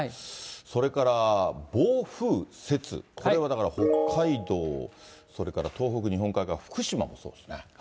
それから暴風雪、これはだから北海道、それから東北、日本海側、福島もそうですね。